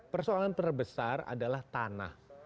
persoalan terbesar adalah tanah